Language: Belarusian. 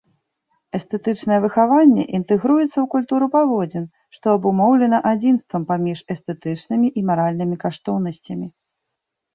Эстэтычнае выхаванне інтэгруецца ў культуру паводзін, што абумоўлена адзінствам паміж эстэтычнымі і маральнымі каштоўнасцямі.